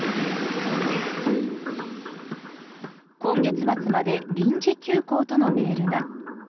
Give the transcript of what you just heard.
今月末まで臨時休校とのメールが。